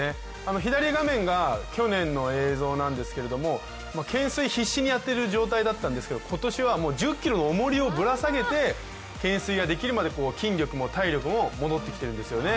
左画面が去年の映像なんですけど懸垂、必死にやってる状態だったんですけれども今年は１０ｋｇのおもりをぶら下げて懸垂ができるまで筋力も体力も戻ってきてるんですよね。